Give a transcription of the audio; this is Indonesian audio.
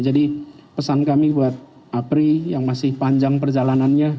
jadi pesan kami buat apri yang masih panjang perjalanannya